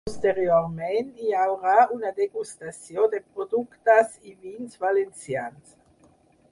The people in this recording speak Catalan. Posteriorment, hi haurà una degustació de productes i vins valencians.